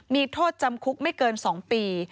มีโทษจำคุกไม่เกิน๒ปี